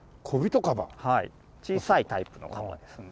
はい小さいタイプのカバですね。